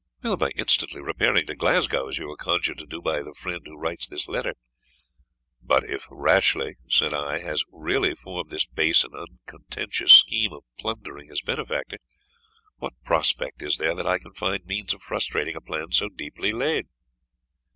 "By instantly repairing to Glasgow, as you are conjured to do by the friend who writes this letter." "But if Rashleigh," said I, "has really formed this base and unconscientious scheme of plundering his benefactor, what prospect is there that I can find means of frustrating a plan so deeply laid?'